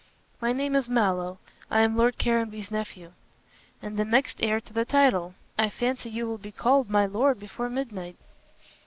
"My name is Mallow. I am Lord Caranby's nephew." "And the next heir to the title. I fancy you will be called `my lord' before midnight."